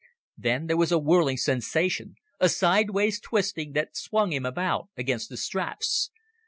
Then there was a whirling sensation, a sideways twisting that swung him about against the straps.